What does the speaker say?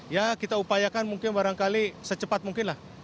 ya kita upayakan mungkin barangkali secepat mungkin lah